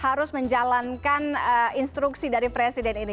harus menjalankan instruksi dari presiden ini